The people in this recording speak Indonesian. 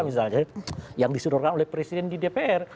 misalnya yang disedorkan oleh presiden di dpr